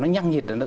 nó nhăng nhiệt